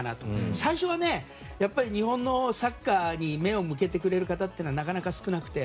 最初はやっぱり日本のサッカーに目を向けてくれる方はなかなか少なくて。